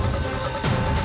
aku akan menangkapmu